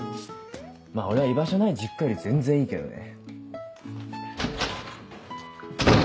まぁ俺は居場所ない実家より全然いいけどね。